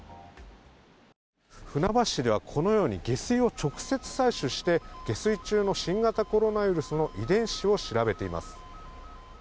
船橋市ではこのように下水を直接採取して下水中の新型コロナウイルスの遺伝子を調べています。